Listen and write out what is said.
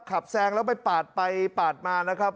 แซงแล้วไปปาดไปปาดมานะครับ